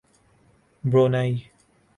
Brunei